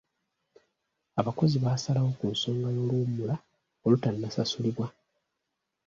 Abakozi baasalawo ku nsonga y'oluwummula olutannasasulibwa.